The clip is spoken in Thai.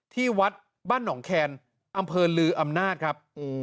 ที่วัดบ้านหนองแคนอำเภอลืออำนาจครับ